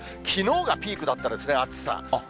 きのうがピークだったですね、暑さ。